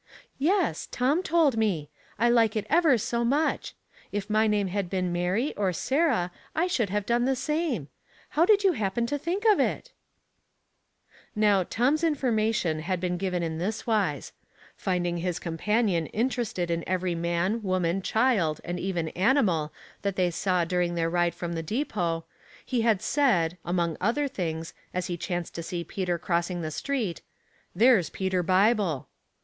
" Yes, Tom told me. I like it ever so much ; if my name had been Mary or Sarah I should have done the same. How did you happen to think of it?" Puzzling People, 205 Now, Tom's information had been given on this wise : Finding his companion interested in every man, woman, child, and even animal, that they saw during their ride from the depot, he had said, among other things, as he chanced to see Peter crossing the street, " There's Peter Bible."